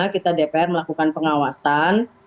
kita dpr melakukan pengawasan